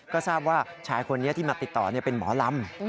ก็ทราบว่าชายคนนี้ที่มาติดต่อเป็นหมอลำ